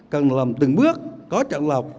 cần làm từng bước có chặn lọc